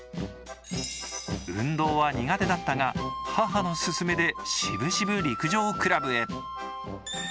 運動は苦手だったが、母の勧めで渋々陸上クラブへ。